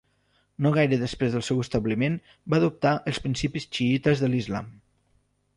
No gaire després del seu establiment va adoptar els principis xiïtes de l'islam.